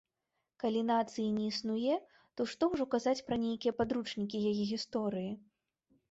Калі нацыі не існуе, то што ўжо казаць пра нейкія падручнікі яе гісторыі?